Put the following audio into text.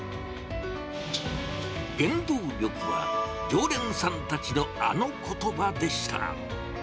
原動力は常連さんたちのあのことばでした。